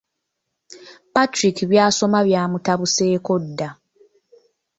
Patrick by’asoma byamutabuseeko dda.